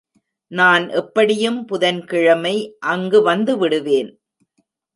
நான் எப்படியும் புதன் கிழமை அங்கு வந்துவிடுவேன்.